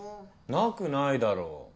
なくないだろ。